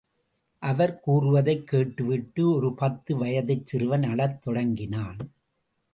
அவர் கூறுவதைக் கேட்டுவிட்டு ஒரு பத்து வயதுச் சிறுவன் அழத் தொடங்கினான்.